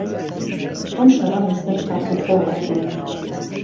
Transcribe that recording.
ئهو شهڕه له سهر خاک و خۆڵ ئهکهم